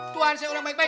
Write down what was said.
tuhan saya orang baik baik